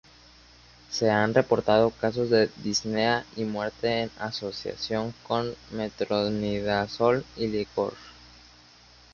Se han reportado casos de disnea y muerte en asociación con metronidazol y licor.